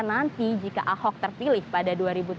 nanti jika ahok terpilih pada dua ribu tujuh belas